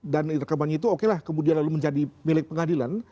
dan rekamannya itu oke lah kemudian lalu menjadi milik pengadilan